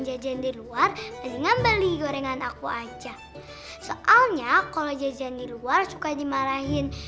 jajan di luar dari ngambeli gorengan aku aja soalnya kalau jajan di luar suka dimarahin